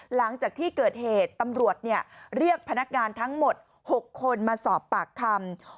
หลังจากที่เกิดเหตุตำรวจเรียกพนักงานทั้งหมด๖คนมาสอบปากคำ